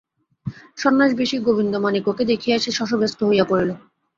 সন্ন্যাসবেশী গোবিন্দমাণিক্যকে দেখিয়া সে শশব্যস্ত হইয়া পড়িল।